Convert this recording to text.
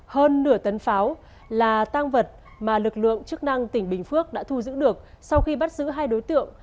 hơn nửa tấn pháo là tang vật mà lực lượng chức năng tỉnh bình phước đã thu giữ được sau khi bắt giữ hai đối tượng